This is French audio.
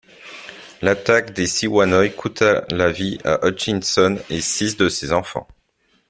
L'attaque des Siwanoy coûta la vie à Hutchinson et six de ses enfants.